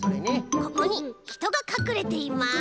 ここにひとがかくれています！